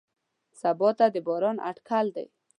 سبا ته د باران اټکل دی.